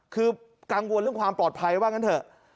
คือกังวลเรื่องความปลอดภัยว่างั้นเถอะ